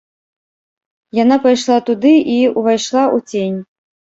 Яна пайшла туды і ўвайшла ў цень.